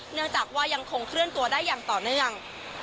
เนื่องจากว่ายังคงเคลื่อนตัวได้อย่างต่อเนื่อง